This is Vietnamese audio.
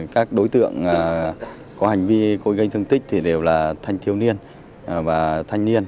các đối tượng có hành vi cối gây thương tích thì đều là thanh thiếu niên và thanh niên